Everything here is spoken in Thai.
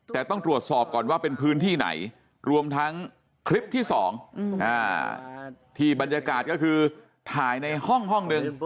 แต่ต้องตรวจสอบก่อนว่าเป็นพื้นที่ไหนรวมทั้งคลิปที่๒ที่บรรยากาศก็คือถ่ายในห้องห้องหนึ่ง